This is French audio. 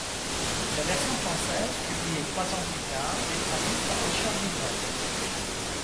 La version français publiée trois ans plus tard est traduite par Richard Dubreuil.